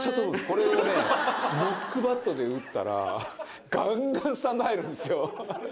これをね、ノックバットで打ったら、がんがんスタンド入るんすよ。